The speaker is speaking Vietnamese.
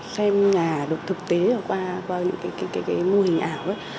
xem nhà được thực tế qua những mô hình ảo